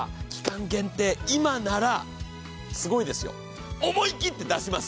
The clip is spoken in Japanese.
今ならすごいですよ、思い切って出します。